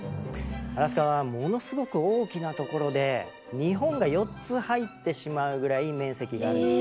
アラスカはものすごく大きな所で日本が４つ入ってしまうぐらい面積があるんです。